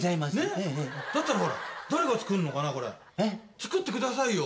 作ってくださいよ。